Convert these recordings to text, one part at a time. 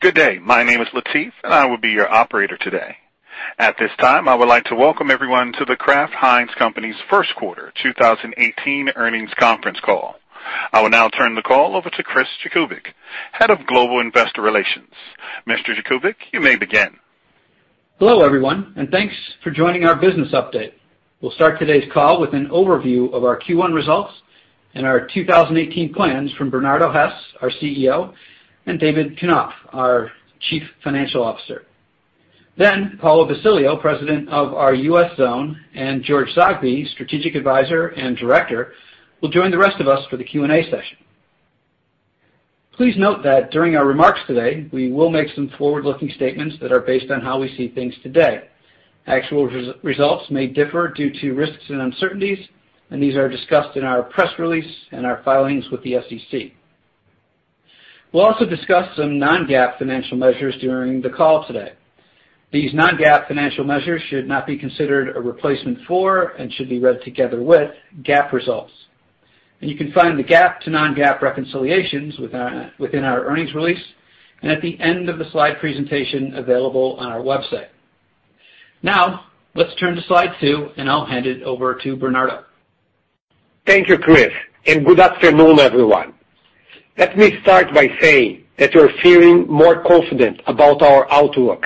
Good day. My name is Latif, and I will be your operator today. At this time, I would like to welcome everyone to The Kraft Heinz Company's First Quarter 2018 Earnings Conference Call. I will now turn the call over to Christopher Jakubik, Head of Global Investor Relations. Mr. Jakubik, you may begin. Hello, everyone, and thanks for joining our business update. We'll start today's call with an overview of our Q1 results and our 2018 plans from Bernardo Hees, our CEO, and David Knopf, our Chief Financial Officer. Paulo Basilio, President of our U.S. Zone, and George Zoghbi, Strategic Advisor and Director, will join the rest of us for the Q&A session. Please note that during our remarks today, we will make some forward-looking statements that are based on how we see things today. Actual results may differ due to risks and uncertainties. These are discussed in our press release and our filings with the SEC. We'll also discuss some non-GAAP financial measures during the call today. These non-GAAP financial measures should not be considered a replacement for and should be read together with GAAP results. You can find the GAAP to non-GAAP reconciliations within our earnings release and at the end of the slide presentation available on our website. Let's turn to slide two, and I'll hand it over to Bernardo. Thank you, Chris, and good afternoon, everyone. Let me start by saying that we're feeling more confident about our outlook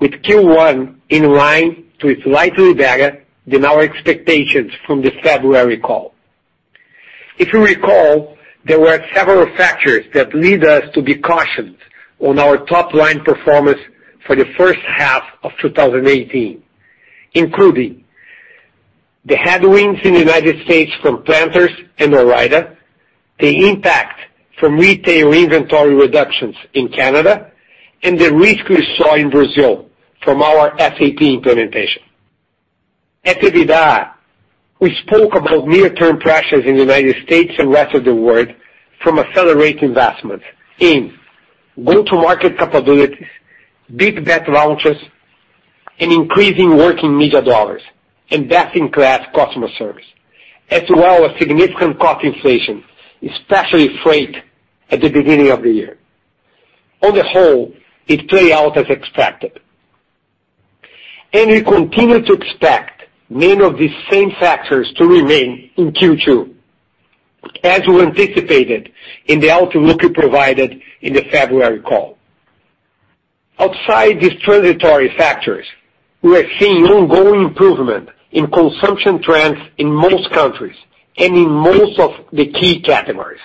with Q1 in line to slightly better than our expectations from the February call. If you recall, there were several factors that lead us to be cautious on our top-line performance for the first half of 2018, including the headwinds in the U.S. from Planters and Ore-Ida, the impact from retail inventory reductions in Canada, and the risk we saw in Brazil from our SAP implementation. At CAGNY, we spoke about near-term pressures in the U.S. and rest of the world from accelerated investments in go-to-market capabilities, big bet launches, and increasing work in media dollars, and best-in-class customer service, as well as significant cost inflation, especially freight at the beginning of the year. On the whole, it play out as expected. We continue to expect many of these same factors to remain in Q2 as we anticipated in the outlook we provided in the February call. Outside these transitory factors, we are seeing ongoing improvement in consumption trends in most countries and in most of the key categories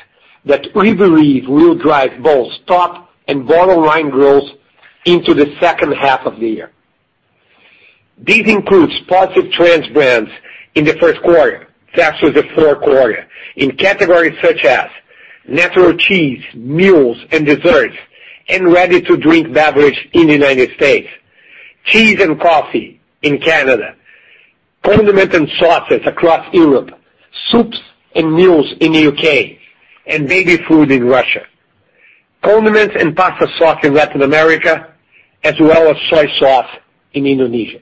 that we believe will drive both top and bottom-line growth into the second half of the year. This includes positive trends brands in the first quarter, faster than the fourth quarter in categories such as natural cheese, meals, and desserts, and ready-to-drink beverage in the U.S., cheese and coffee in Canada, condiment and sauces across Europe, soups and meals in the U.K., and baby food in Russia, condiments and pasta sauce in Latin America, as well as soy sauce in Indonesia.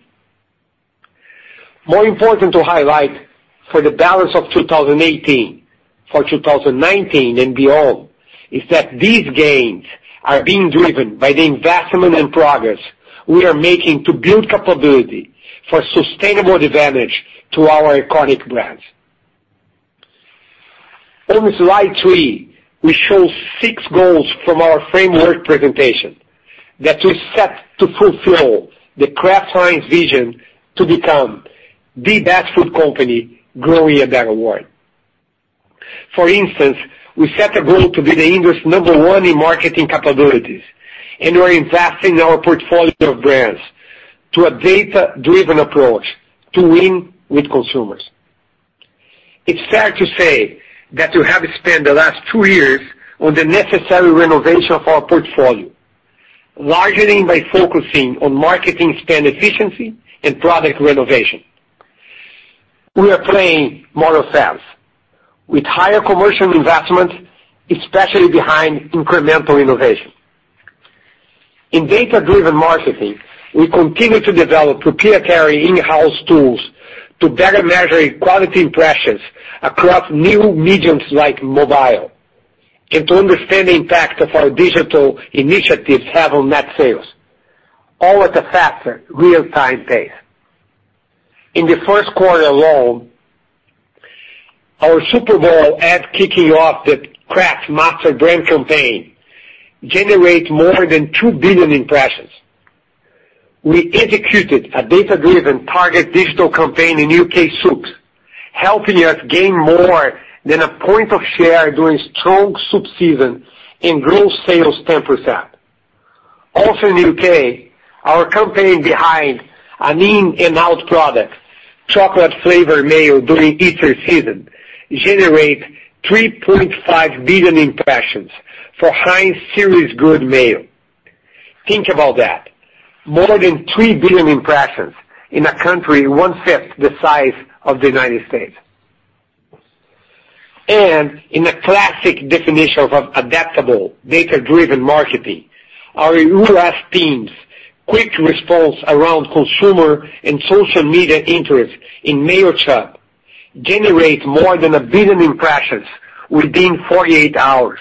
More important to highlight for the balance of 2018, for 2019 and beyond, is that these gains are being driven by the investment and progress we are making to build capability for sustainable advantage to our iconic brands. On slide three, we show six goals from our framework presentation that we set to fulfill the Kraft Heinz vision to become the best food company growing a better world. For instance, we set a goal to be the industry's number one in marketing capabilities. We're investing in our portfolio of brands to a data-driven approach to win with consumers. It's fair to say that we have spent the last two years on the necessary renovation of our portfolio, largely by focusing on marketing spend efficiency and product renovation. We are playing more offense with higher commercial investment, especially behind incremental innovation. In data-driven marketing, we continue to develop proprietary in-house tools to better measure quality impressions across new mediums like mobile. We understand the impact of our digital initiatives have on net sales, all at a faster, real-time pace. In the first quarter alone, our Super Bowl ad kicking off the Kraft master brand campaign generate more than 2 billion impressions. We executed a data-driven target digital campaign in U.K. soups, helping us gain more than a point of share during strong soup season and grow sales 10%. Also in the U.K., our campaign behind an in and out product, chocolate flavored mayo during Easter season, generate 3.5 billion impressions for Heinz [Seriously] Good Mayo. Think about that. More than 3 billion impressions in a country one-fifth the size of the U.S. In a classic definition of adaptable data-driven marketing, our U.S. team's quick response around consumer and social media interest in Mayochup Generate more than 1 billion impressions within 48 hours.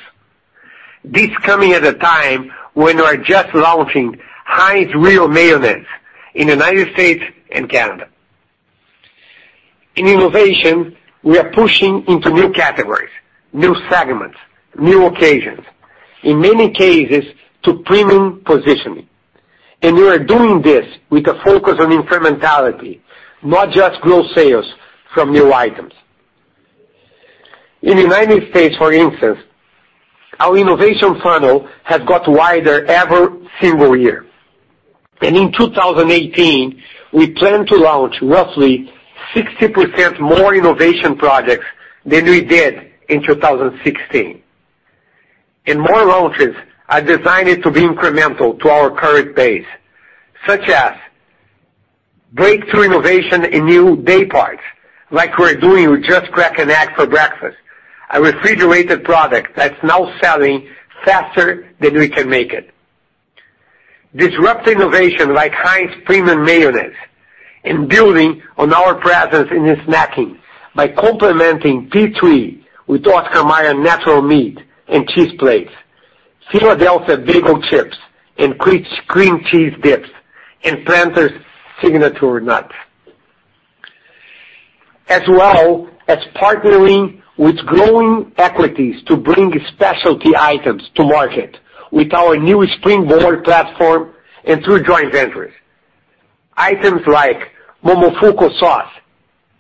This coming at a time when we are just launching Heinz Real Mayonnaise in the U.S. and Canada. In innovation, we are pushing into new categories, new segments, new occasions, in many cases to premium positioning. We are doing this with a focus on incrementality, not just grow sales from new items. In the U.S., for instance, our innovation funnel has got wider every single year. In 2018, we plan to launch roughly 60% more innovation projects than we did in 2016. More launches are designed to be incremental to our current base, such as breakthrough innovation in new day parts, like we're doing with Just Crack an Egg for Breakfast, a refrigerated product that's now selling faster than we can make it. Disrupt innovation like Heinz Premium Mayonnaise, and building on our presence in the snacking by complementing P3 with Oscar Mayer natural meat and cheese plates, Philadelphia Bagel Chips and Cream Cheese Dips, and Planters Signature Nuts. As well as partnering with growing equities to bring specialty items to market with our new Springboard platform and through joint ventures. Items like Momofuku Sauce,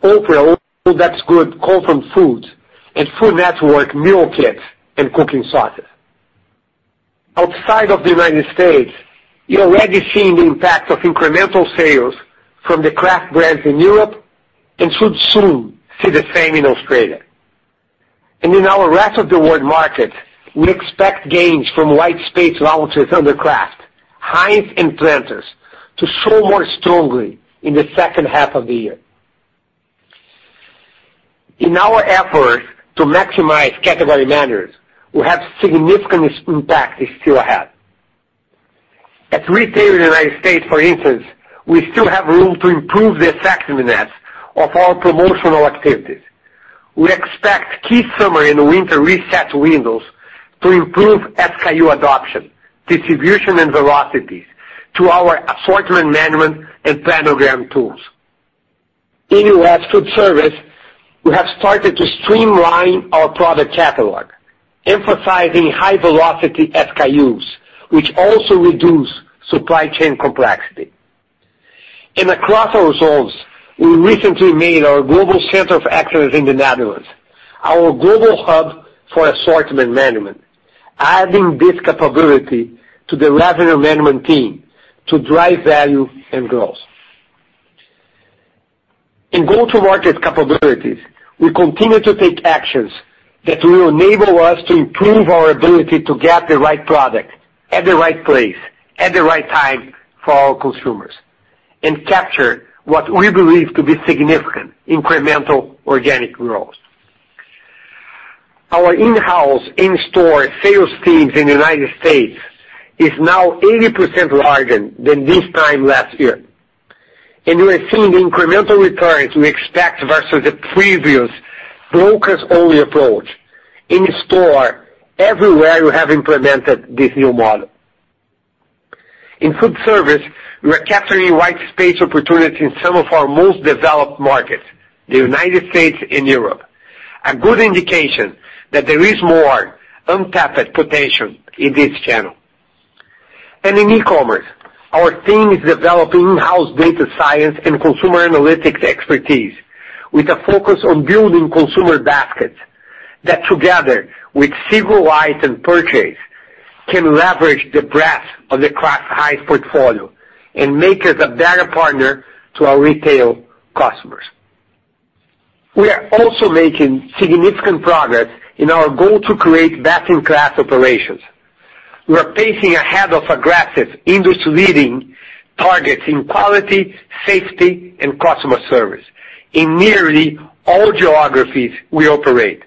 Oprah's O, That's Good! comfort foods, and Food Network meal kits and cooking sauces. Outside of the U.S., you're already seeing the impact of incremental sales from the Kraft brands in Europe, and should soon see the same in Australia. In our rest of the world markets, we expect gains from white space launches under Kraft, Heinz, and Planters to show more strongly in the second half of the year. In our efforts to maximize category management, we have significant impact still ahead. At retail in the U.S., for instance, we still have room to improve the effectiveness of our promotional activities. We expect key summer and winter reset windows to improve SKU adoption, distribution, and velocities to our assortment management and planogram tools. In U.S. food service, we have started to streamline our product catalog, emphasizing high-velocity SKUs, which also reduce supply chain complexity. Across our zones, we recently made our global center of excellence in the Netherlands our global hub for assortment management, adding this capability to the revenue management team to drive value and growth. In go-to-market capabilities, we continue to take actions that will enable us to improve our ability to get the right product at the right place at the right time for our consumers and capture what we believe to be significant incremental organic growth. Our in-house in-store sales teams in the U.S. is now 80% larger than this time last year, and we are seeing the incremental returns we expect versus the previous brokers-only approach in store everywhere we have implemented this new model. In food service, we are capturing white space opportunities in some of our most developed markets, the U.S. and Europe, a good indication that there is more untapped potential in this channel. In e-commerce, our team is developing in-house data science and consumer analytics expertise with a focus on building consumer baskets that, together with single item purchase, can leverage the breadth of the Kraft Heinz portfolio and make us a better partner to our retail customers. We are also making significant progress in our goal to create best-in-class operations. We are pacing ahead of aggressive industry-leading targets in quality, safety, and customer service in nearly all geographies we operate,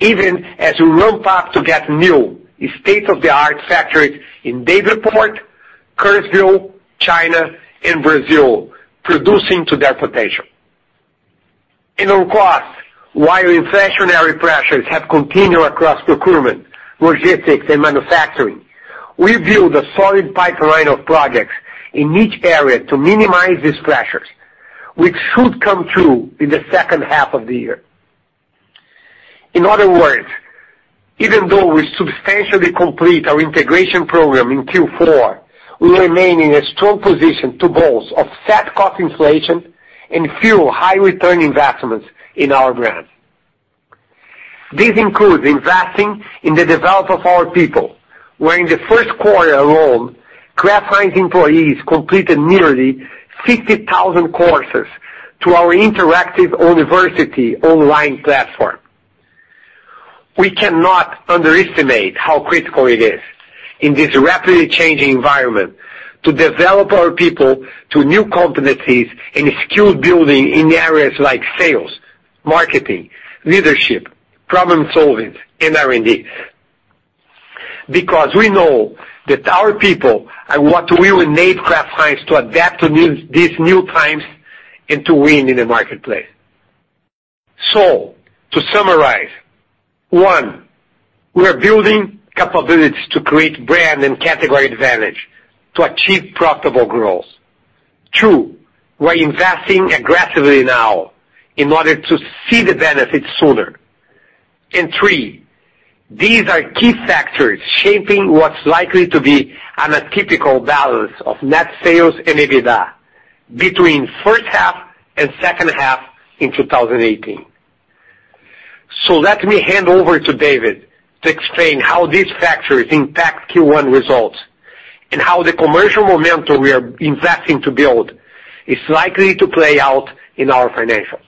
even as we ramp up to get new state-of-the-art factories in Davenport, Kirksville, China, and Brazil producing to their potential. On cost, while inflationary pressures have continued across procurement, logistics, and manufacturing, we've built a solid pipeline of projects in each area to minimize these pressures, which should come through in the second half of the year. In other words, even though we substantially complete our integration program in Q4, we remain in a strong position to both offset cost inflation and fuel high-return investments in our brands. This includes investing in the development of our people, where in the first quarter alone, Kraft Heinz employees completed nearly 50,000 courses through our interactive university online platform. We cannot underestimate how critical it is in this rapidly changing environment to develop our people to new competencies and skill building in areas like sales, marketing, leadership, problem-solving, and R&D. We know that our people are what will enable Kraft Heinz to adapt to these new times and to win in the marketplace. One, we're building capabilities to create brand and category advantage to achieve profitable growth. Two, we're investing aggressively now in order to see the benefits sooner. Three, these are key factors shaping what's likely to be an atypical balance of net sales and EBITDA between first half and second half in 2018. Let me hand over to David to explain how these factors impact Q1 results and how the commercial momentum we are investing to build is likely to play out in our financials.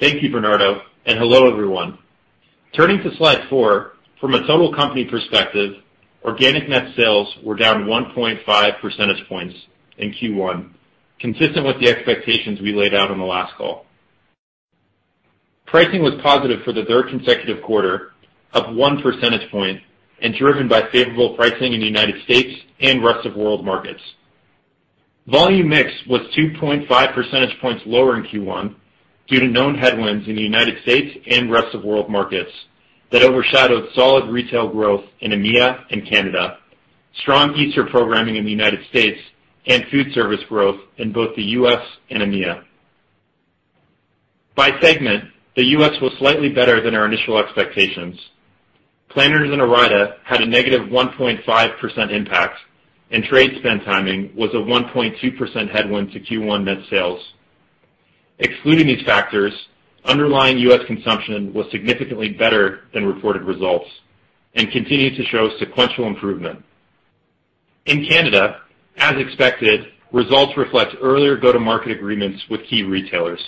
Thank you, Bernardo, and hello, everyone. Turning to slide four, from a total company perspective, organic net sales were down 1.5 percentage points in Q1, consistent with the expectations we laid out on the last call. Pricing was positive for the third consecutive quarter of one percentage point and driven by favorable pricing in the United States and rest of world markets. Volume mix was 2.5 percentage points lower in Q1 due to known headwinds in the United States and rest of world markets that overshadowed solid retail growth in EMEA and Canada, strong Easter programming in the United States, and food service growth in both the U.S. and EMEA. By segment, the U.S. was slightly better than our initial expectations. Planters and Ore-Ida had a negative 1.5% impact, and trade spend timing was a 1.2% headwind to Q1 net sales. Excluding these factors, underlying U.S. consumption was significantly better than reported results and continues to show sequential improvement. In Canada, as expected, results reflect earlier go-to-market agreements with key retailers,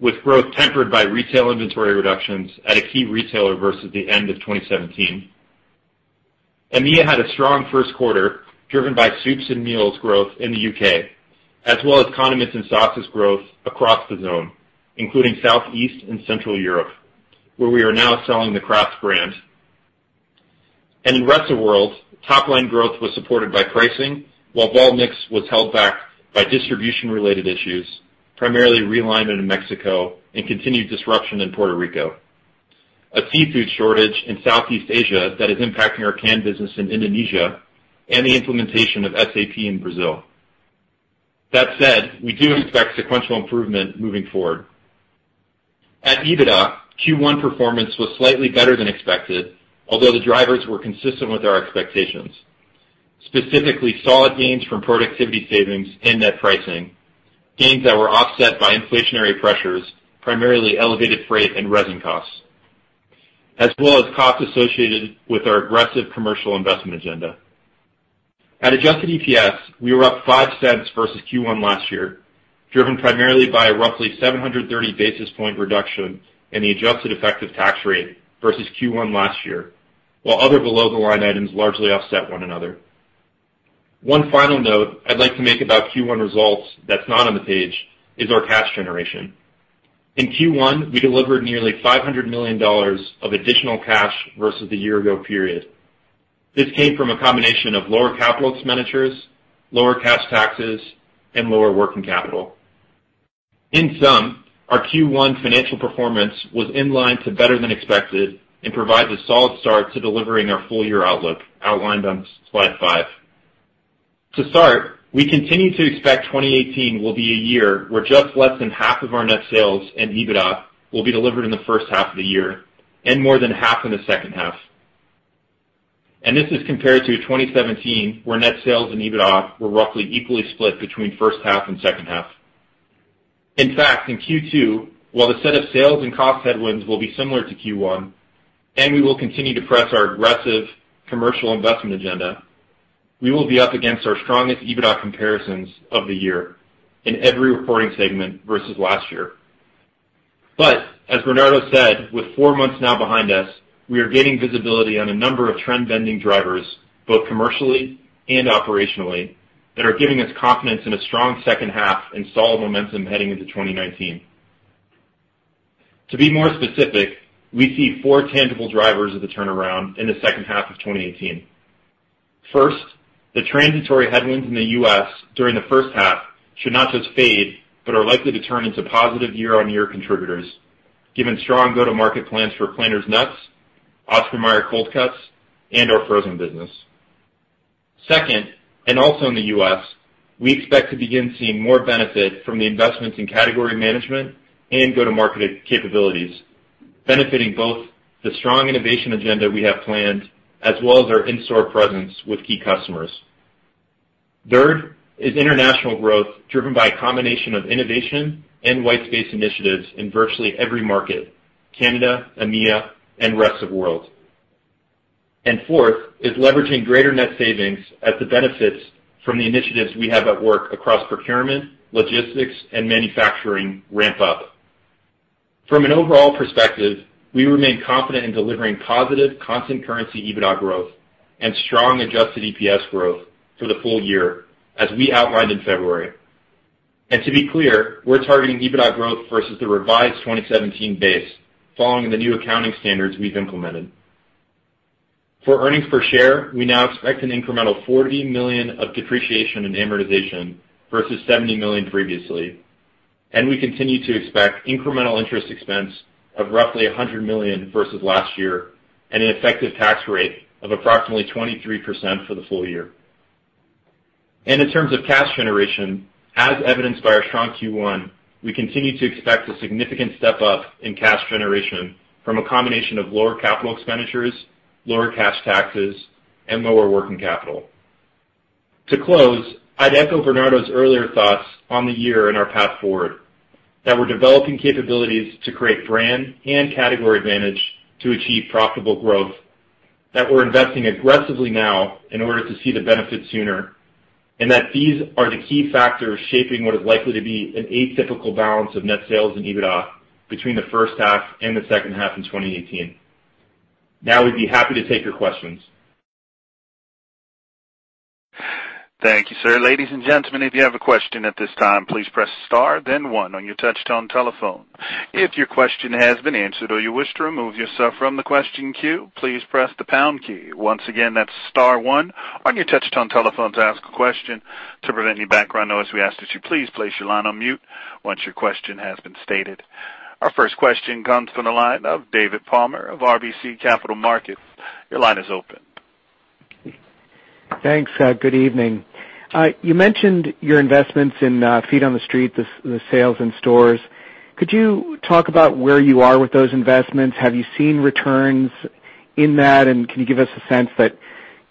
with growth tempered by retail inventory reductions at a key retailer versus the end of 2017. EMEA had a strong first quarter, driven by soups and meals growth in the U.K., as well as condiments and sauces growth across the zone, including Southeast and Central Europe, where we are now selling the Kraft brand. In rest of world, top line growth was supported by pricing while volume mix was held back by distribution-related issues, primarily realignment in Mexico and continued disruption in Puerto Rico, a seafood shortage in Southeast Asia that is impacting our canned business in Indonesia, and the implementation of SAP in Brazil. That said, we do expect sequential improvement moving forward. At EBITDA, Q1 performance was slightly better than expected, although the drivers were consistent with our expectations, specifically solid gains from productivity savings and net pricing, gains that were offset by inflationary pressures, primarily elevated freight and resin costs, as well as costs associated with our aggressive commercial investment agenda. At adjusted EPS, we were up $0.05 versus Q1 last year, driven primarily by a roughly 730 basis point reduction in the adjusted effective tax rate versus Q1 last year, while other below-the-line items largely offset one another. One final note I'd like to make about Q1 results that's not on the page is our cash generation. In Q1, we delivered nearly $500 million of additional cash versus the year ago period. This came from a combination of lower capital expenditures, lower cash taxes, and lower working capital. In sum, our Q1 financial performance was in line to better than expected and provides a solid start to delivering our full-year outlook outlined on slide five. To start, we continue to expect 2018 will be a year where just less than half of our net sales and EBITDA will be delivered in the first half of the year and more than half in the second half. This is compared to 2017, where net sales and EBITDA were roughly equally split between first half and second half. In fact, in Q2, while the set of sales and cost headwinds will be similar to Q1, and we will continue to press our aggressive commercial investment agenda, we will be up against our strongest EBITDA comparisons of the year in every reporting segment versus last year. As Bernardo said, with four months now behind us, we are gaining visibility on a number of trend-bending drivers, both commercially and operationally, that are giving us confidence in a strong second half and solid momentum heading into 2019. To be more specific, we see four tangible drivers of the turnaround in the second half of 2018. First, the transitory headwinds in the U.S. during the first half should not just fade but are likely to turn into positive year-on-year contributors, given strong go-to-market plans for Planters nuts, Oscar Mayer cold cuts, and our frozen business. Second, also in the U.S., we expect to begin seeing more benefit from the investments in category management and go-to-market capabilities, benefiting both the strong innovation agenda we have planned, as well as our in-store presence with key customers. Third is international growth driven by a combination of innovation and white space initiatives in virtually every market, Canada, EMEA, and rest of world. Fourth is leveraging greater net savings as the benefits from the initiatives we have at work across procurement, logistics, and manufacturing ramp up. From an overall perspective, we remain confident in delivering positive constant currency EBITDA growth and strong adjusted EPS growth for the full year as we outlined in February. To be clear, we're targeting EBITDA growth versus the revised 2017 base, following the new accounting standards we've implemented. For earnings per share, we now expect an incremental $40 million of depreciation and amortization versus $70 million previously, we continue to expect incremental interest expense of roughly $100 million versus last year and an effective tax rate of approximately 23% for the full year. In terms of cash generation, as evidenced by our strong Q1, we continue to expect a significant step up in cash generation from a combination of lower capital expenditures, lower cash taxes, and lower working capital. To close, I'd echo Bernardo's earlier thoughts on the year and our path forward, that we're developing capabilities to create brand and category advantage to achieve profitable growth, that we're investing aggressively now in order to see the benefits sooner, and that these are the key factors shaping what is likely to be an atypical balance of net sales and EBITDA between the first half and the second half in 2018. We'd be happy to take your questions. Thank you, sir. Ladies and gentlemen, if you have a question at this time, please press star then one on your touch-tone telephone. If your question has been answered or you wish to remove yourself from the question queue, please press the pound key. Once again, that's star one on your touch-tone telephone to ask a question. To prevent any background noise, we ask that you please place your line on mute once your question has been stated. Our first question comes from the line of David Palmer of RBC Capital Markets. Your line is open. Thanks. Good evening. You mentioned your investments in feet on the street, the sales in stores. Could you talk about where you are with those investments? Have you seen returns in that? Can you give us a sense that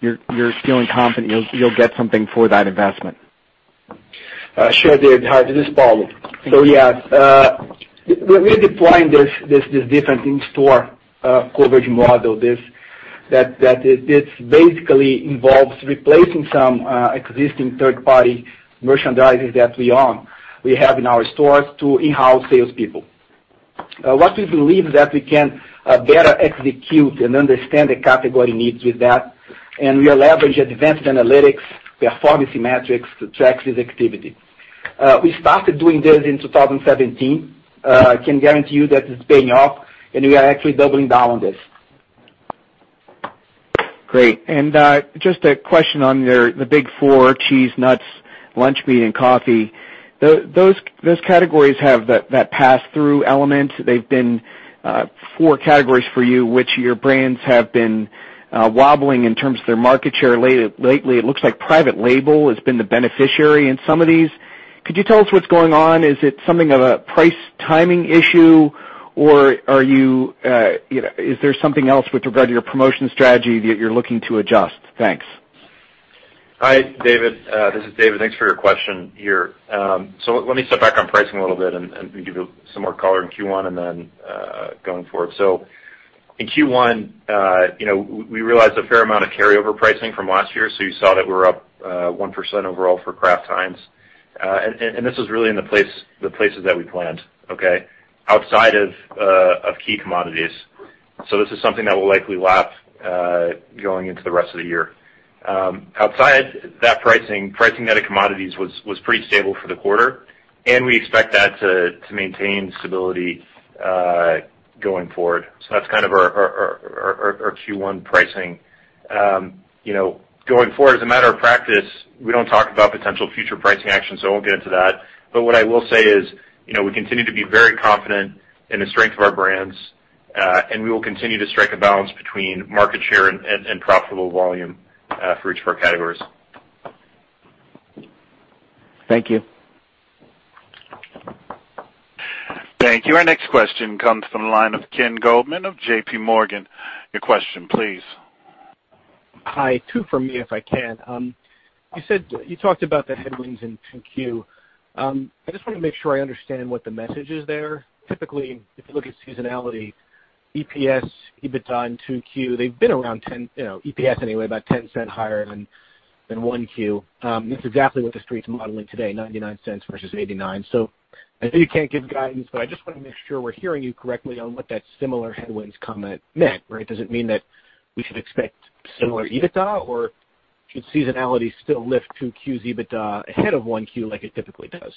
you're feeling confident you'll get something for that investment? Sure, Dave. Hi, this is Paulo. Thank you. Yeah. We're deploying this different in-store coverage model. This basically involves replacing some existing third-party merchandising that we own, we have in our stores to in-house salespeople. We believe that we can better execute and understand the category needs with that, and we are leveraging advanced analytics, performance metrics to track this activity. We started doing this in 2017. I can guarantee you that it's paying off and we are actually doubling down on this. Great. Just a question on the big four, cheese, nuts, lunch meat, and coffee. Those categories have that pass-through element. They've been four categories for you, which your brands have been wobbling in terms of their market share lately. It looks like private label has been the beneficiary in some of these. Could you tell us what's going on? Is it something of a price timing issue or is there something else with regard to your promotion strategy that you're looking to adjust? Thanks. Hi, David. This is David. Thanks for your question here. Let me step back on pricing a little bit and give you some more color in Q1 and then going forward. In Q1, we realized a fair amount of carryover pricing from last year. You saw that we were up 1% overall for The Kraft Heinz Company. This was really in the places that we planned, okay? Outside of key commodities. This is something that will likely lap going into the rest of the year. Outside that pricing out of commodities was pretty stable for the quarter, and we expect that to maintain stability going forward. That's our Q1 pricing. Going forward, as a matter of practice, we don't talk about potential future pricing actions, so I won't get into that. What I will say is, we continue to be very confident in the strength of our brands, and we will continue to strike a balance between market share and profitable volume for each of our categories. Thank you. Thank you. Our next question comes from the line of Ken Goldman of J.P. Morgan. Your question please. Hi. Two from me, if I can. You talked about the headwinds in Q2. I just want to make sure I understand what the message is there. Typically, if you look at seasonality, EPS, EBITDA in Q2, they've been around 10, EPS anyway, about $0.10 higher than 1Q. That's exactly what the street's modeling today, $0.99 versus $0.89. I know you can't give guidance, but I just want to make sure we're hearing you correctly on what that similar headwinds comment meant, right? Does it mean that we should expect similar EBITDA or should seasonality still lift Q2's EBITDA ahead of 1Q like it typically does?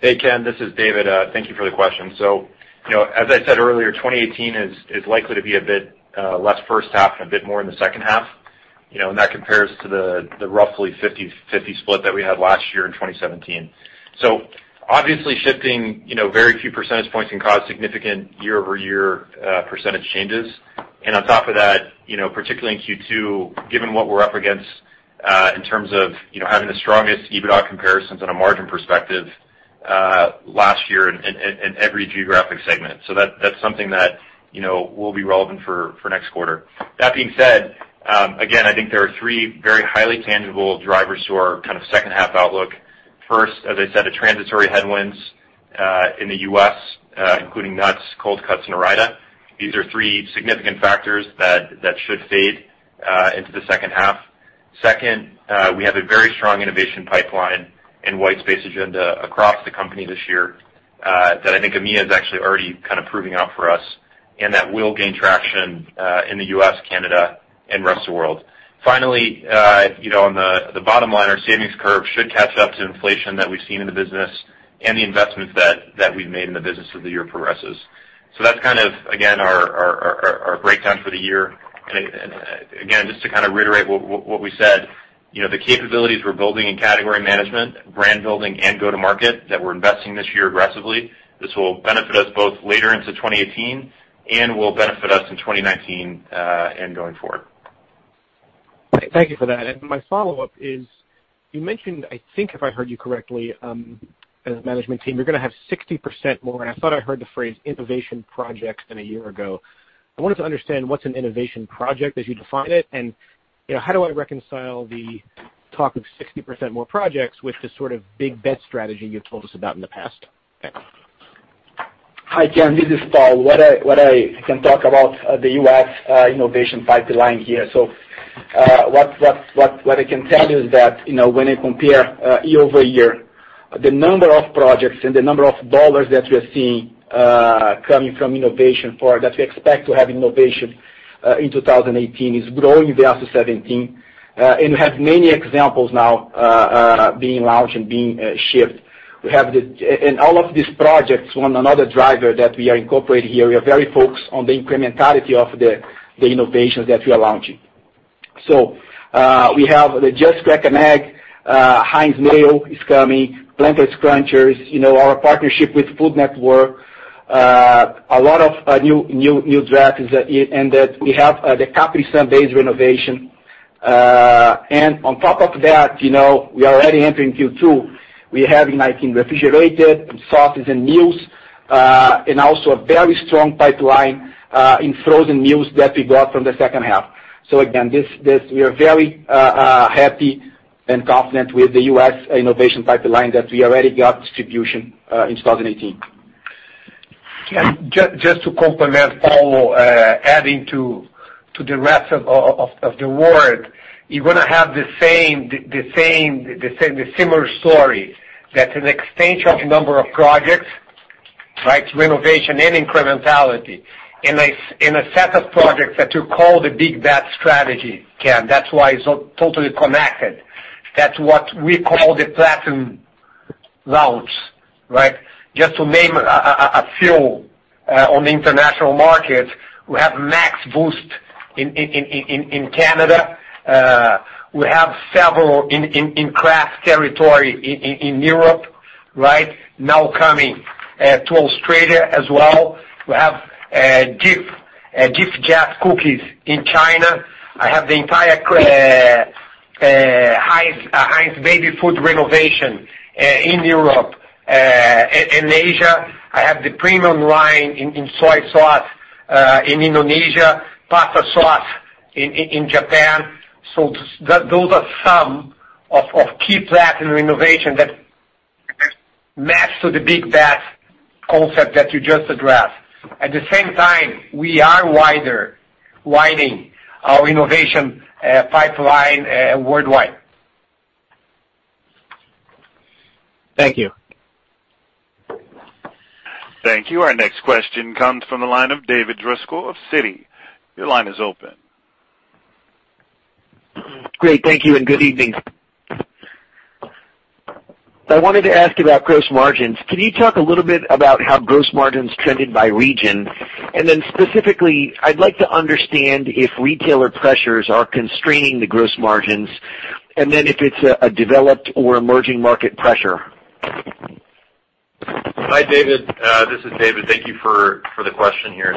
Hey, Ken. This is David. Thank you for the question. As I said earlier, 2018 is likely to be a bit less first half and a bit more in the second half. That compares to the roughly 50/50 split that we had last year in 2017. Obviously, shifting very few percentage points can cause significant year-over-year percentage changes. On top of that, particularly in Q2, given what we're up against in terms of having the strongest EBITDA comparisons on a margin perspective last year in every geographic segment. That's something that will be relevant for next quarter. That being said, again, I think there are three very highly tangible drivers to our second half outlook. First, as I said, the transitory headwinds in the U.S. including nuts, cold cuts, and Ore-Ida. These are three significant factors that should fade into the second half. Second, we have a very strong innovation pipeline and white space agenda across the company this year. That I think EMEA is actually already kind of proving out for us, and that will gain traction in the U.S., Canada, and rest of world. Finally, on the bottom line, our savings curve should catch up to inflation that we've seen in the business and the investments that we've made in the business as the year progresses. That's kind of, again, our breakdown for the year. Again, just to kind of reiterate what we said, the capabilities we're building in category management, brand building, and go-to-market that we're investing this year aggressively, this will benefit us both later into 2018 and will benefit us in 2019 and going forward. Thank you for that. My follow-up is, you mentioned, I think if I heard you correctly, as a management team, you're going to have 60% more, and I thought I heard the phrase innovation projects than a year ago. I wanted to understand what's an innovation project as you define it, and how do I reconcile the talk of 60% more projects with the sort of big bet strategy you've told us about in the past? Thanks. Hi, Ken. This is Paulo. What I can talk about the U.S. innovation pipeline here. What I can tell you is that when I compare year-over-year, the number of projects and the number of dollars that we are seeing coming from innovation that we expect to have innovation in 2018 is growing versus 2017. We have many examples now being launched and being shipped. In all of these projects, one other driver that we are incorporating here, we are very focused on the incrementality of the innovations that we are launching. We have the Just Crack an Egg, Heinz Mayo is coming, Planters Crunchers, our partnership with Food Network, a lot of new drafts, and that we have the Capri Sun base renovation. On top of that, we are already entering Q2. We have new items in refrigerated, sauces, and meals, and also a very strong pipeline in frozen meals that we got from the second half. Again, we are very happy and confident with the U.S. innovation pipeline that we already got distribution in 2018. Ken, just to complement Paulo, adding to the rest of the world, you're going to have the similar story. That's an extension of number of projects, right, renovation and incrementality in a set of projects that you call the big bet strategy, Ken. That's why it's totally connected. That's what we call the platinum launch, right? Just to name a few on the international market, we have Max Boost in Canada. We have several in Kraft territory in Europe, right? Now coming to Australia as well. We have Jif Jaf Cookies in China. I have the entire Heinz baby food renovation in Europe. In Asia, I have the premium line in soy sauce in Indonesia, pasta sauce in Japan. Those are some of key platinum renovations that match to the big bet concept that you just addressed. At the same time, we are widening our innovation pipeline worldwide. Thank you. Thank you. Our next question comes from the line of David Driscoll of Citi. Your line is open. Great. Thank you, and good evening. I wanted to ask about gross margins. Can you talk a little bit about how gross margins trended by region? Specifically, I'd like to understand if retailer pressures are constraining the gross margins, and then if it's a developed or emerging market pressure. Hi, David. This is David. Thank you for the question here.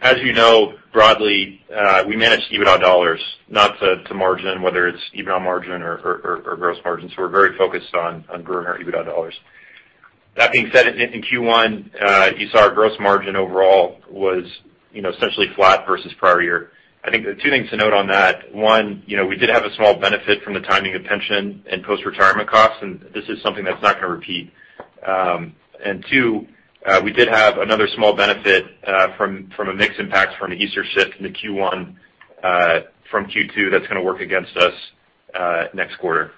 As you know, broadly, we manage EBITDA dollars, not to margin, whether it's EBITDA margin or gross margin. We're very focused on growing our EBITDA dollars. That being said, in Q1, you saw our gross margin overall was essentially flat versus prior year. I think the two things to note on that, one, we did have a small benefit from the timing of pension and post-retirement costs, and this is something that's not going to repeat. Two, we did have another small benefit from a mix impact from the Easter shift in the Q1 from Q2 that's going to work against us next quarter.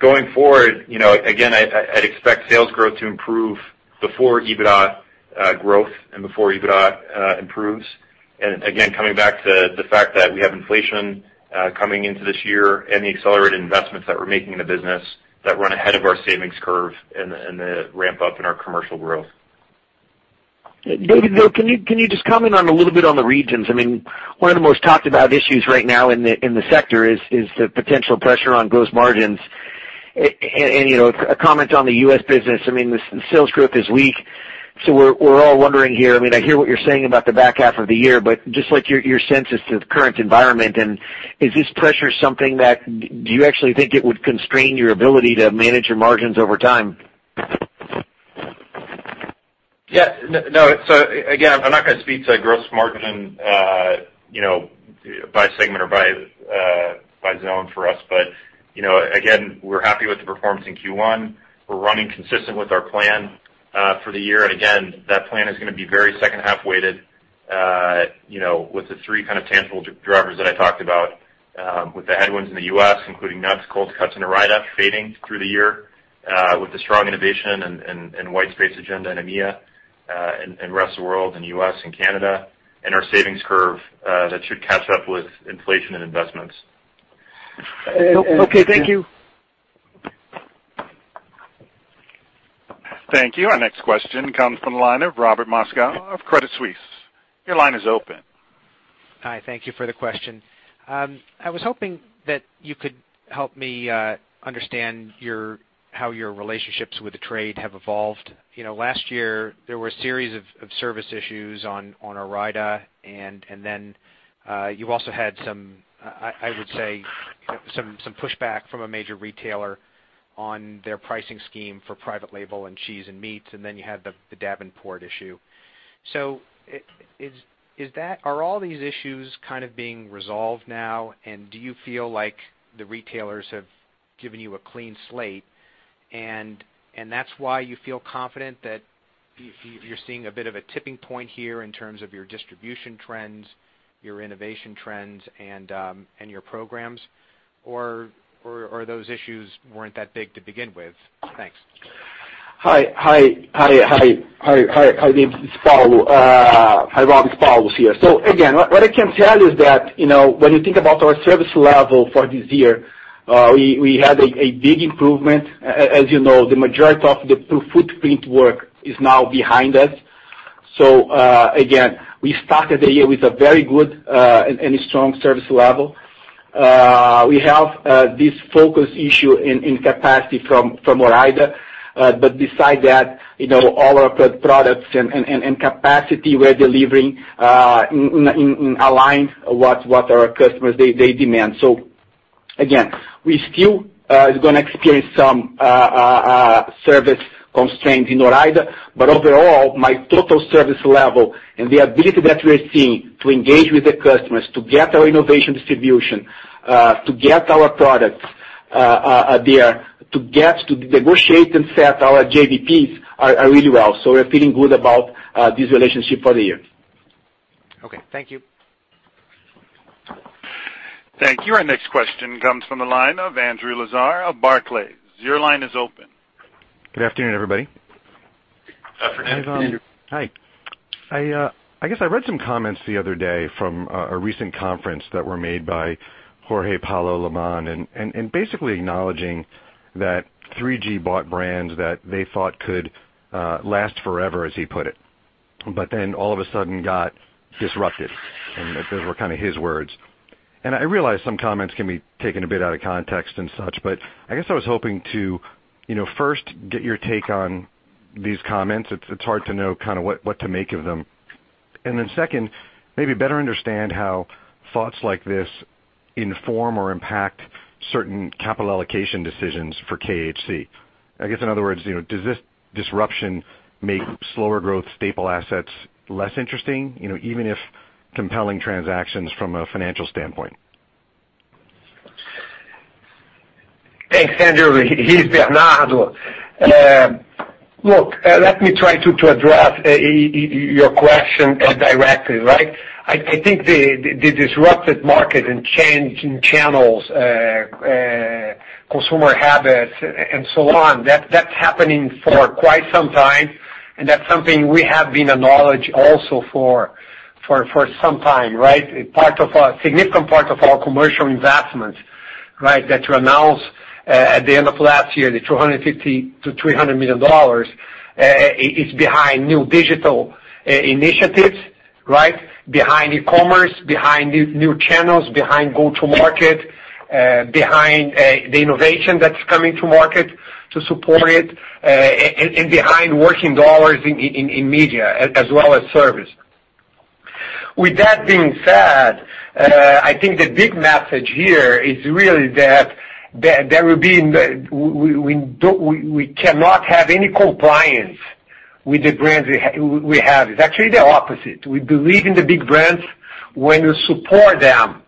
Going forward, again, I'd expect sales growth to improve before EBITDA growth and before EBITDA improves. Again, coming back to the fact that we have inflation coming into this year and the accelerated investments that we're making in the business that run ahead of our savings curve and the ramp-up in our commercial growth. David, though, can you just comment on a little bit on the regions? One of the most talked about issues right now in the sector is the potential pressure on gross margins. A comment on the U.S. business, the sales growth is weak, so we're all wondering here. I hear what you're saying about the back half of the year, but just your sense as to the current environment, and do you actually think it would constrain your ability to manage your margins over time? Yeah. No. Again, I'm not gonna speak to gross margin by segment or by zone for us. Again, we're happy with the performance in Q1. We're running consistent with our plan for the year. Again, that plan is gonna be very second-half weighted with the three kind of tangible drivers that I talked about With the headwinds in the U.S., including nuts, cold cuts, and Ore-Ida fading through the year, with the strong innovation and white space agenda in EMEA, and rest of the world and U.S. and Canada, our savings curve that should catch up with inflation and investments. Okay. Thank you. Thank you. Our next question comes from the line of Robert Moskow of Credit Suisse. Your line is open. Hi, thank you for the question. I was hoping that you could help me understand how your relationships with the trade have evolved. Last year there were a series of service issues on Ore-Ida, and then you also had some, I would say, some pushback from a major retailer on their pricing scheme for private label and cheese and meats, and then you had the Davenport issue. Are all these issues kind of being resolved now, and do you feel like the retailers have given you a clean slate and that's why you feel confident that you're seeing a bit of a tipping point here in terms of your distribution trends, your innovation trends, and your programs? Those issues weren't that big to begin with? Thanks. Hi. This is Paulo. Hi, Rob. It's Paulo here. Again, what I can tell you is that, when you think about our service level for this year, we had a big improvement. As you know, the majority of the footprint work is now behind us. Again, we started the year with a very good and strong service level. We have this focus issue in capacity from Ore-Ida. Beside that all our products and capacity we're delivering in align what our customers, they demand. Again, we still are going to experience some service constraints in Ore-Ida, but overall, my total service level and the ability that we're seeing to engage with the customers, to get our innovation distribution, to get our products there, to negotiate and set our JBPs are really well. We're feeling good about this relationship for the year. Okay. Thank you. Thank you. Our next question comes from the line of Andrew Lazar of Barclays. Your line is open. Good afternoon, everybody. Afternoon. Hi. I guess I read some comments the other day from a recent conference that were made by Jorge Paulo Lemann. Basically acknowledging that 3G bought brands that they thought could last forever, as he put it. All of a sudden got disrupted, Those were kind of his words. I realize some comments can be taken a bit out of context and such, I guess I was hoping to first get your take on these comments. It's hard to know what to make of them. Second, maybe better understand how thoughts like this inform or impact certain capital allocation decisions for KHC. I guess, in other words, does this disruption make slower growth staple assets less interesting, even if compelling transactions from a financial standpoint? Thanks, Andrew. Here's Bernardo. Let me try to address your question directly, right? I think the disrupted market and change in channels, consumer habits, and so on, that's happening for quite some time, and that's something we have been acknowledged also for some time, right? A significant part of our commercial investments that we announced at the end of last year, the $250 million-$300 million, is behind new digital initiatives. Behind e-commerce, behind new channels, behind go-to-market, behind the innovation that's coming to market to support it, and behind working dollars in media as well as service. With that being said, I think the big message here is really that we cannot have any complacency with the brands we have. It's actually the opposite. We believe in the big brands when you support them.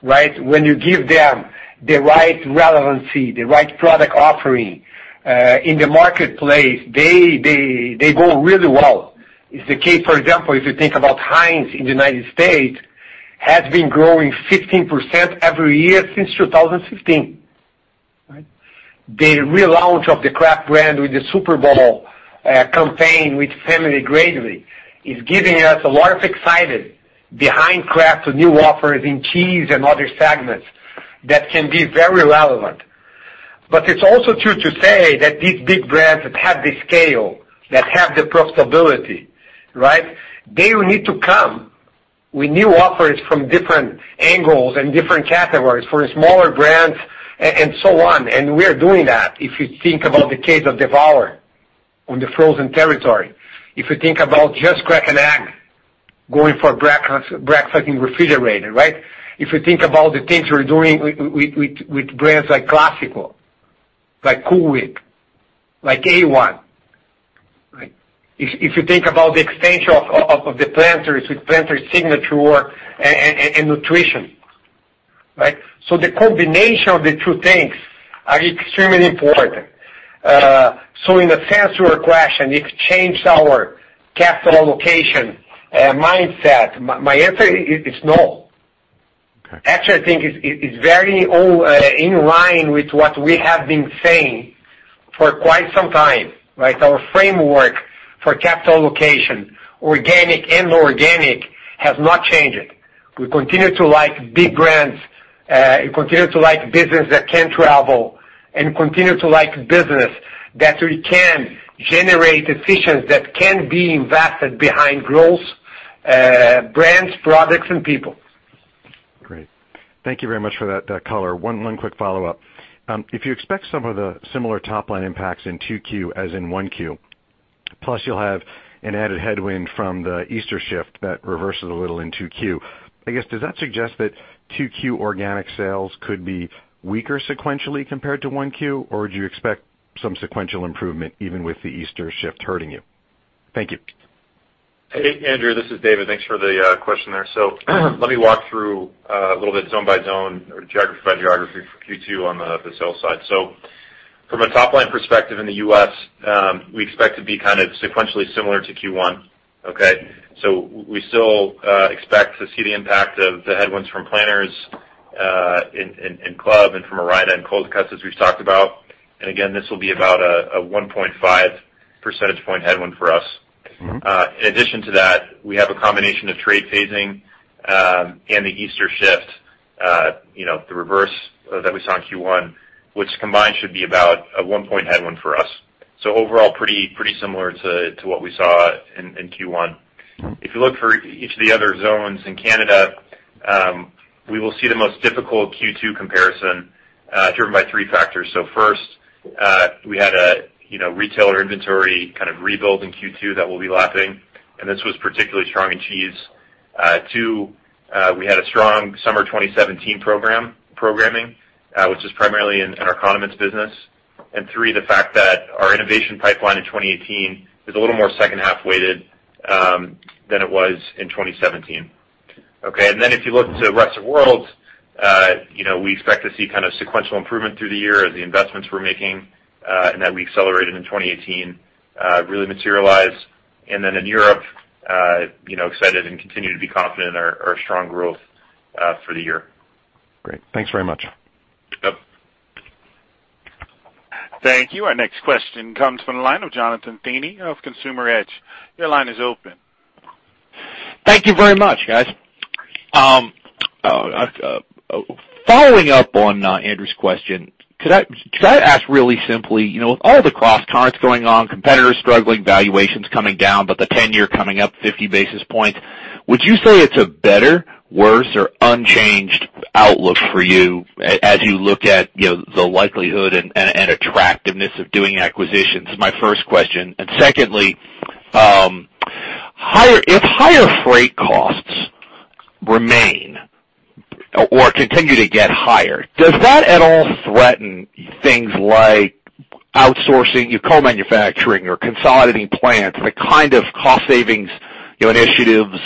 When you give them the right relevancy, the right product offering in the marketplace, they go really well. It's the case, for example, if you think about Heinz in the U.S., has been growing 15% every year since 2015. The relaunch of the Kraft brand with the Super Bowl campaign with Family Greatly is giving us a lot of excitement behind Kraft's new offers in cheese and other segments that can be very relevant. It's also true to say that these big brands that have the scale, that have the profitability will need to come with new offers from different angles and different categories for smaller brands and so on. We are doing that. If you think about the case of Devour on the frozen territory, if you think about Just Crack an Egg going for breakfast in refrigerated. If you think about the things we're doing with brands like Classico, like Cool Whip, like A.1. If you think about the extension of the Planters with Planters signature and nutrition. The combination of the two things are extremely important. In a sense to your question, it changed our capital allocation mindset. My answer is no. Okay. Actually, I think it's very in line with what we have been saying for quite some time, right? Our framework for capital allocation, organic and inorganic, has not changed. We continue to like big brands, we continue to like business that can travel, and continue to like business that we can generate efficiencies that can be invested behind growth, brands, products, and people. Great. Thank you very much for that color. One quick follow-up. If you expect some of the similar top-line impacts in two Q as in one Q, plus you'll have an added headwind from the Easter shift that reverses a little in two Q. I guess, does that suggest that two Q organic sales could be weaker sequentially compared to one Q, or do you expect some sequential improvement even with the Easter shift hurting you? Thank you. Hey, Andrew, this is David. Thanks for the question there. Let me walk through a little bit zone by zone or geography by geography for Q2 on the sales side. From a top-line perspective in the U.S., we expect to be sequentially similar to Q1. Okay? We still expect to see the impact of the headwinds from Planters and [Club] and from Ore-Ida and Cold Cuts, as we've talked about. Again, this will be about a 1.5 percentage point headwind for us. In addition to that, we have a combination of trade phasing, and the Easter shift, the reverse that we saw in Q1, which combined should be about a one-point headwind for us. Overall, pretty similar to what we saw in Q1. If you look for each of the other zones in Canada, we will see the most difficult Q2 comparison, driven by three factors. First, we had a retailer inventory kind of rebuild in Q2 that will be lapping, and this was particularly strong in cheese. Two, we had a strong summer 2017 programming, which is primarily in our condiments business. Three, the fact that our innovation pipeline in 2018 is a little more second-half weighted than it was in 2017. Okay? If you look to rest of world, we expect to see sequential improvement through the year as the investments we're making and that we accelerated in 2018 really materialize. In Europe, excited and continue to be confident in our strong growth for the year. Great. Thanks very much. Yep. Thank you. Our next question comes from the line of Jonathan Feeney of Consumer Edge. Your line is open. Thank you very much, guys. Following up on Andrew's question, could I ask really simply, with all the cross currents going on, competitors struggling, valuations coming down, but the 10-year coming up 50 basis points, would you say it's a better, worse, or unchanged outlook for you as you look at the likelihood and attractiveness of doing acquisitions? My first question. Secondly, if higher freight costs remain or continue to get higher, does that at all threaten things like outsourcing your co-manufacturing or consolidating plants, the kind of cost savings initiatives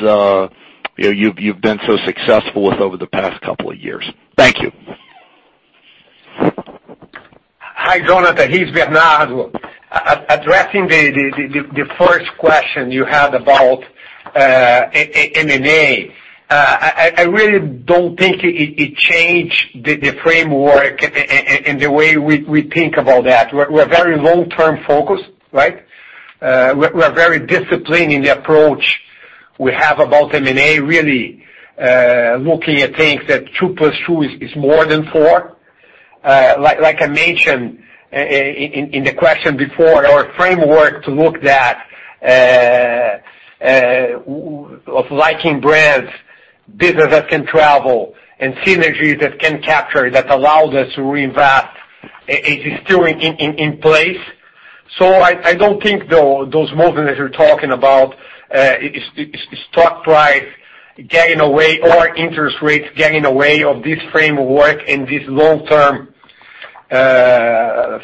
you've been so successful with over the past couple of years? Thank you. Hi, Jonathan. It's Bernardo. Addressing the first question you had about M&A, I really don't think it changed the framework and the way we think about that. We're very long-term focused, right? We are very disciplined in the approach we have about M&A, really looking at things that two plus two is more than four. Like I mentioned in the question before, our framework to look at of liking brands, business that can travel, and synergies that can capture that allows us to reinvest is still in place. I don't think those movements that you're talking about, stock price getting away or interest rates getting away of this framework and this long-term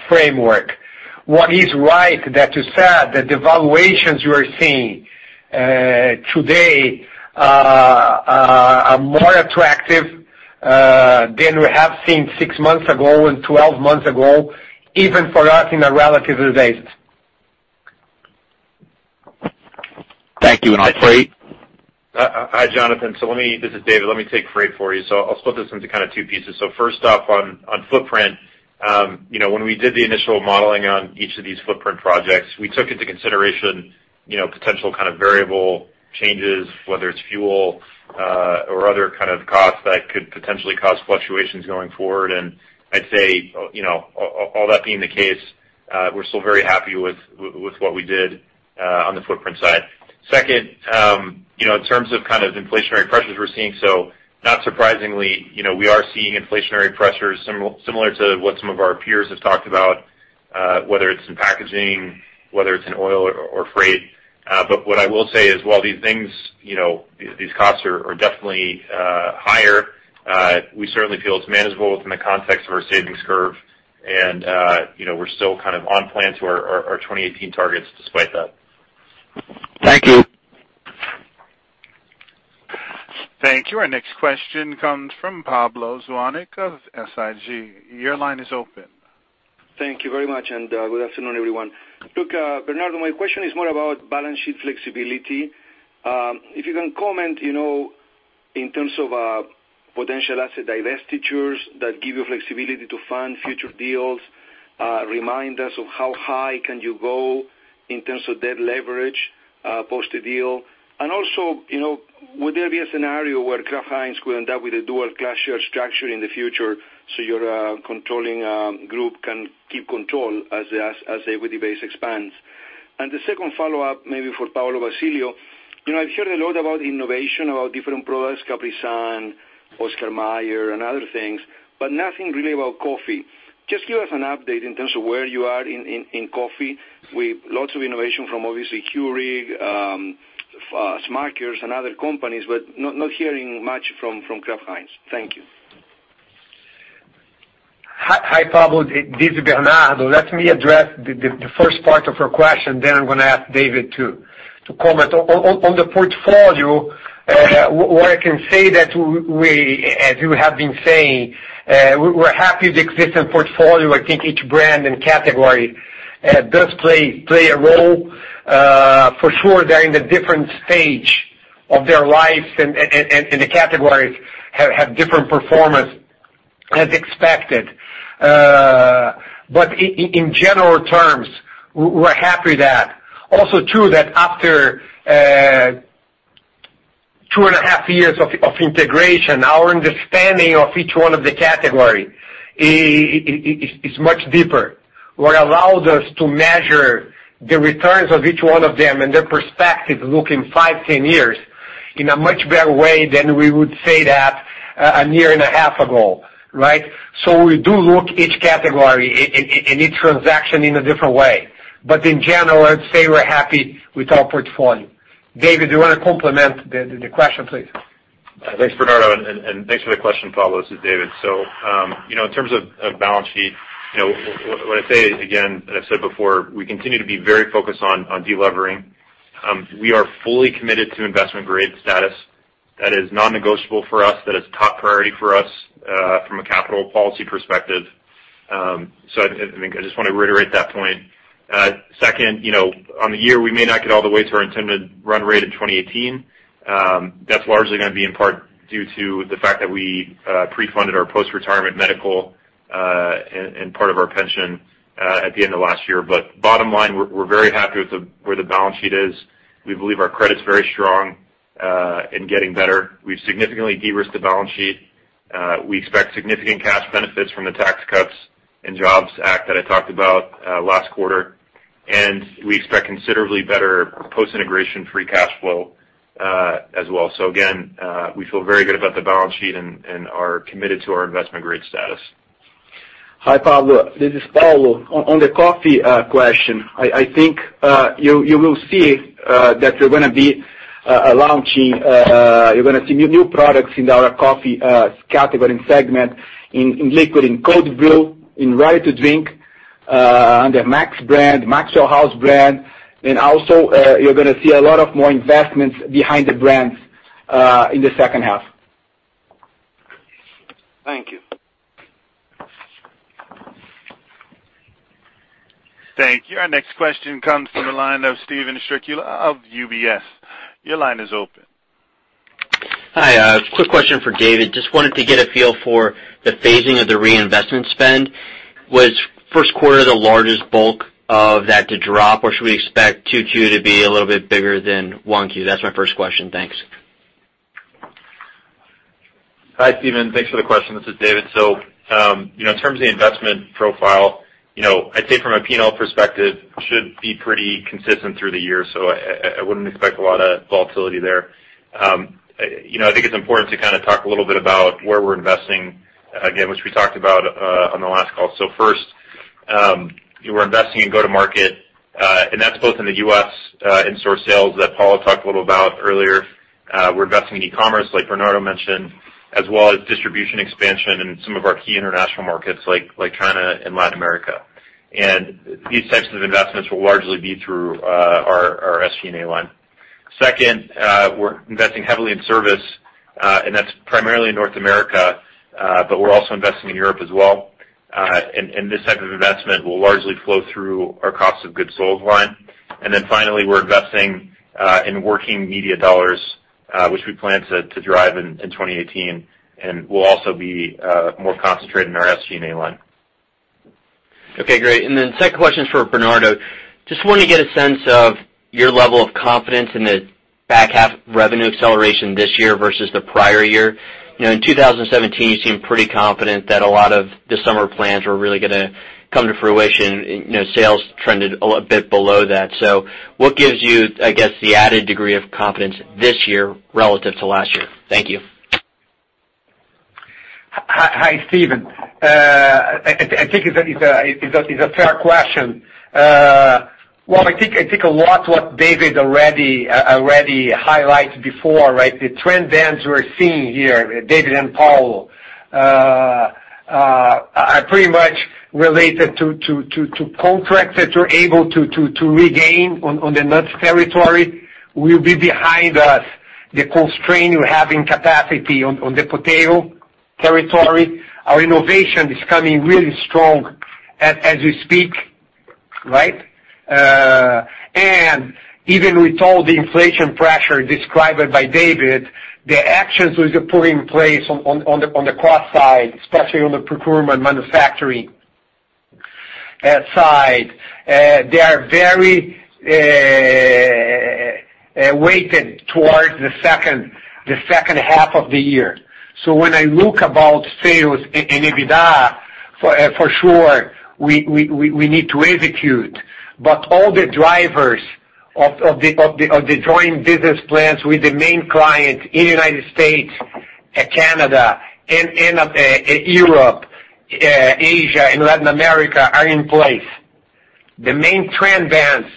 framework. What is right that you said that the valuations you are seeing today are more attractive than we have seen six months ago and 12 months ago, even for us in a relative basis. Thank you. On freight? Hi, Jonathan. This is David. Let me take freight for you. I'll split this into two pieces. First off, on footprint. When we did the initial modeling on each of these footprint projects, we took into consideration potential kind of variable changes, whether it's fuel or other kind of costs that could potentially cause fluctuations going forward. I'd say all that being the case, we're still very happy with what we did on the footprint side. Second, in terms of inflationary pressures we're seeing, not surprisingly, we are seeing inflationary pressures similar to what some of our peers have talked about. Whether it's in packaging, whether it's in oil or freight. What I will say is while these costs are definitely higher, we certainly feel it's manageable within the context of our savings curve. We're still on plan to our 2018 targets despite that. Thank you. Thank you. Our next question comes from Pablo Zuanic of SIG. Your line is open. Thank you very much. Good afternoon, everyone. Look, Bernardo, my question is more about balance sheet flexibility. If you can comment in terms of potential asset divestitures that give you flexibility to fund future deals, remind us of how high can you go in terms of debt leverage post-deal. Also, would there be a scenario where Kraft Heinz will end up with a dual class share structure in the future so your controlling group can keep control as the equity base expands? The second follow-up may be for Paulo Basilio. I've heard a lot about innovation, about different products, Capri Sun, Oscar Mayer, and other things, but nothing really about coffee. Just give us an update in terms of where you are in coffee. With lots of innovation from obviously Keurig, Smuckers, and other companies, but not hearing much from Kraft Heinz. Thank you. Hi, Pablo. This is Bernardo. Let me address the first part of your question, then I'm going to ask David to comment. On the portfolio, what I can say that we, as we have been saying, we're happy with the existing portfolio. I think each brand and category does play a role. For sure, they're in a different stage of their lives, and the categories have different performance as expected. In general terms, we're happy with that. Also true that after two and a half years of integration, our understanding of each one of the category is much deeper. What allowed us to measure the returns of each one of them and their perspective look in five, 10 years in a much better way than we would say that a year and a half ago, right? We do look each category and each transaction in a different way. In general, I'd say we're happy with our portfolio. David, do you want to complement the question, please? Thanks, Bernardo, and thanks for the question, Pablo. This is David. In terms of balance sheet, what I'd say again, and I've said before, we continue to be very focused on de-levering. We are fully committed to investment-grade status. That is non-negotiable for us. That is top priority for us from a capital policy perspective. I just want to reiterate that point. Second, on the year, we may not get all the way to our intended run rate in 2018. That's largely going to be in part due to the fact that we pre-funded our post-retirement medical and part of our pension at the end of last year. Bottom line, we're very happy with where the balance sheet is. We believe our credit's very strong and getting better. We've significantly de-risked the balance sheet. We expect significant cash benefits from the Tax Cuts and Jobs Act that I talked about last quarter, and we expect considerably better post-integration free cash flow as well. Again, we feel very good about the balance sheet and are committed to our investment grade status. Hi, Pablo. This is Paulo. On the coffee question, I think you will see that we're going to be. You're going to see new products in our coffee category segment in liquid, in cold brew, in ready-to-drink under Max brand, Maxwell House brand. Also, you're going to see a lot of more investments behind the brands in the second half. Thank you. Thank you. Our next question comes from the line of Steven Strycula of UBS. Your line is open. Hi. A quick question for David. Just wanted to get a feel for the phasing of the reinvestment spend. Was first quarter the largest bulk of that to drop, or should we expect 2Q to be a little bit bigger than 1Q? That's my first question. Thanks. Hi, Steven. Thanks for the question. This is David. In terms of the investment profile, I'd say from a P&L perspective, should be pretty consistent through the year. I wouldn't expect a lot of volatility there. I think it's important to talk a little bit about where we're investing again, which we talked about on the last call. First, we're investing in go-to-market, and that's both in the U.S. in store sales that Paulo talked a little about earlier. We're investing in e-commerce, like Bernardo mentioned, as well as distribution expansion in some of our key international markets like China and Latin America. These types of investments will largely be through our SG&A line. Second, we're investing heavily in service, and that's primarily in North America, but we're also investing in Europe as well. This type of investment will largely flow through our cost of goods sold line. Finally, we're investing in working media dollars, which we plan to drive in 2018 and will also be more concentrated in our SG&A line. Second question is for Bernardo. Just wanted to get a sense of your level of confidence in the back half revenue acceleration this year versus the prior year. In 2017, you seemed pretty confident that a lot of the summer plans were really going to come to fruition. Sales trended a bit below that. What gives you, I guess, the added degree of confidence this year relative to last year? Thank you. Hi, Steven. I think it's a fair question. I think a lot what David already highlighted before, right? The trend events we're seeing here, David and Paulo are pretty much related to contracts that we're able to regain on the nuts territory. We'll be behind us, the constraint we have in capacity on the potato territory. Our innovation is coming really strong as we speak. Right? Even with all the inflation pressure described by David, the actions we are putting in place on the cost side, especially on the procurement manufacturing side, they are very weighted towards the second half of the year. When I look about sales and EBITDA, for sure, we need to execute. All the drivers of the Joint Business Plans with the main clients in U.S., Canada, Europe, Asia, and Latin America are in place. The main trend events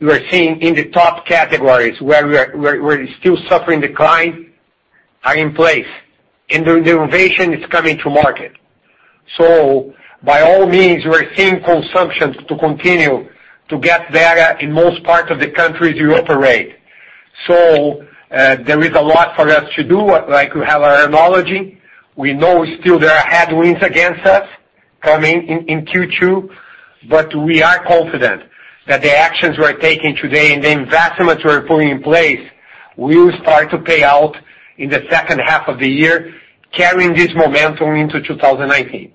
we are seeing in the top categories, where we're still suffering decline, are in place. The innovation is coming to market. By all means, we are seeing consumption to continue to get better in most parts of the countries we operate. There is a lot for us to do. Like we have our analogy. We know still there are headwinds against us coming in Q2, we are confident that the actions we are taking today and the investments we are putting in place will start to pay out in the second half of the year, carrying this momentum into 2019.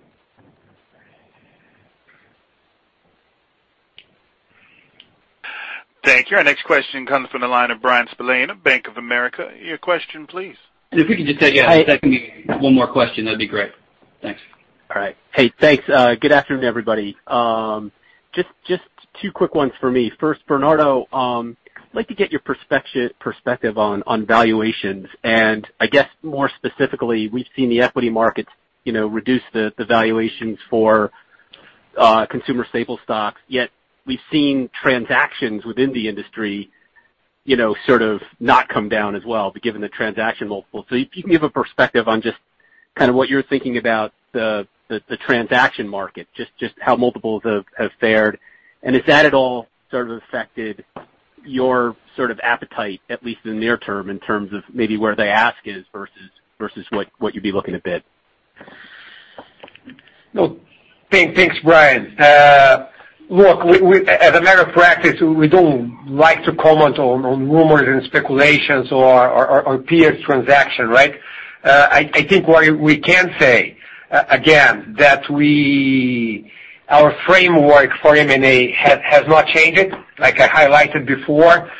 Thank you. Our next question comes from the line of Bryan Spillane, Bank of America. Your question please. If we could just take one more question, that'd be great. Thanks. All right. Hey, thanks. Good afternoon, everybody. Just two quick ones for me. First, Bernardo, I'd like to get your perspective on valuations. I guess more specifically, we've seen the equity markets reduce the valuations for consumer staple stocks, yet we've seen transactions within the industry sort of not come down as well, but given the transaction multiple. If you can give a perspective on just what you're thinking about the transaction market, just how multiples have fared, and has that at all sort of affected your sort of appetite, at least in the near term, in terms of maybe where the ask is versus what you'd be looking to bid? Thanks, Bryan. Look, as a matter of practice, we don't like to comment on rumors and speculations or peers transaction, right? I think what we can say, again, that our framework for M&A has not changed, like I highlighted before.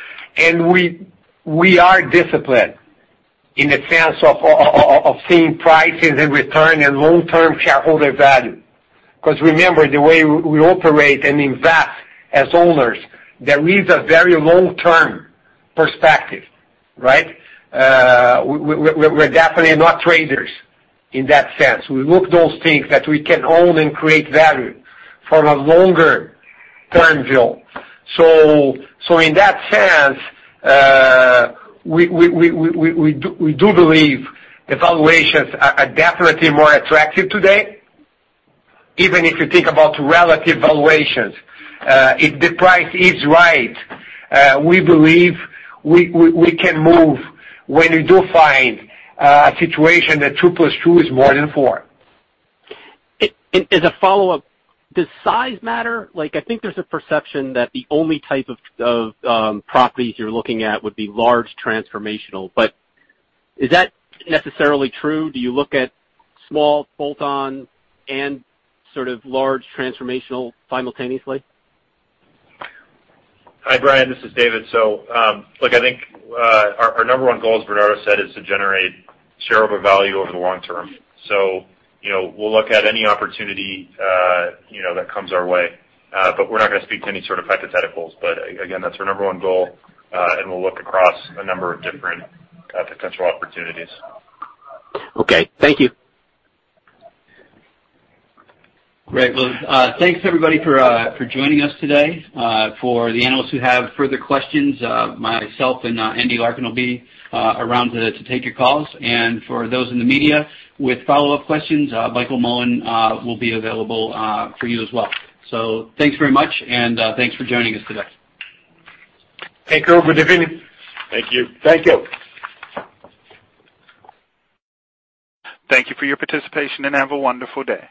We are disciplined in the sense of seeing prices and return and long-term shareholder value. Remember, the way we operate and invest as owners, there is a very long-term perspective, right? We're definitely not traders in that sense. We look those things that we can own and create value from a longer term view. In that sense, we do believe the valuations are definitely more attractive today. Even if you think about relative valuations. If the price is right, we believe we can move when we do find a situation that two plus two is more than four. As a follow-up, does size matter? I think there's a perception that the only type of properties you're looking at would be large transformational, but is that necessarily true? Do you look at small bolt-on and sort of large transformational simultaneously? Hi, Bryan, this is David. Look, I think our number one goal, as Bernardo said, is to generate shareholder value over the long term. We'll look at any opportunity that comes our way. We're not going to speak to any sort of hypotheticals. Again, that's our number one goal, and we'll look across a number of different potential opportunities. Okay. Thank you. Great. Thanks everybody for joining us today. For the analysts who have further questions, myself and Andy Larkin will be around to take your calls. For those in the media with follow-up questions, Michael Mullen will be available for you as well. Thanks very much, and thanks for joining us today. Thank you. Good evening. Thank you. Thank you. Thank you for your participation, have a wonderful day.